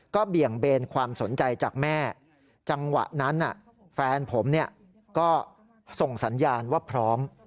เบี่ยงเบนความสนใจจากแม่จังหวะนั้นแฟนผมก็ส่งสัญญาณว่าพร้อม